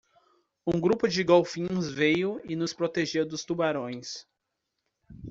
Um grupo de golfinhos veio e nos protegeu dos tubarões.